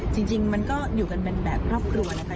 จริงมันก็อยู่กันเป็นแบบครอบครัวนะคะ